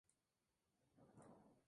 El "St.